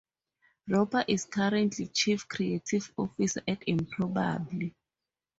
Roper is currently Chief Creative Officer at Improbable.